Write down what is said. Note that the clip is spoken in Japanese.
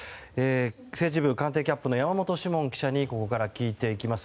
政治部官邸キャップの山本志門記者にここから聞いていきます。